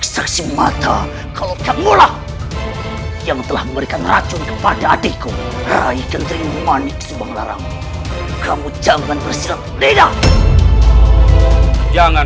sampai jumpa di video selanjutnya